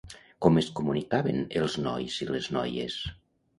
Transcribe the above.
Com es comunicaven els nois i les noies?